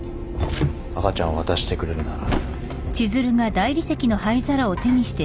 赤ちゃんを渡してくれるなら。